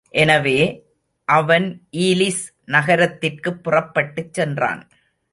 எனவே, அவன் ஈலிஸ் நகரத்திற்குப் புறப்பட்டுச் சென்றான்.